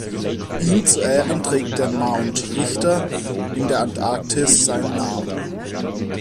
Ihm zu Ehren trägt der Mount Richter in der Antarktis seinen Namen.